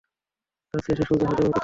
কাজ শেষে সোজা হায়দ্রাবাদে চলে যাব।